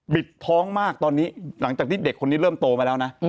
ท้องมากตอนนี้หลังจากที่เด็กคนนี้เริ่มโตมาแล้วนะ